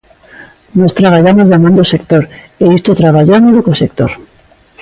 Nós traballamos da man do sector, e isto traballámolo co sector.